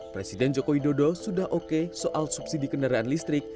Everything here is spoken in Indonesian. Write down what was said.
presiden joko widodo sudah oke soal subsidi kendaraan listrik